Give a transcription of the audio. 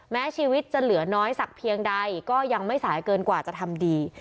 แม้ชีวิตจะเหลือน้อยสักเพียงใดก็ยังไม่สายเกินกว่าจะทำดี